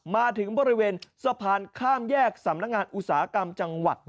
มาถึงบริเวณสะพานข้ามแยกสำนักงานอุตสาหกรรมจังหวัด